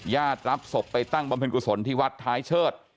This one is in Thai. ญาติรับศพไปตั้งบำเพ็ญกุศลที่วัดท้ายเชิด